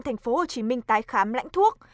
thành phố hồ chí minh tái khám lãnh thuốc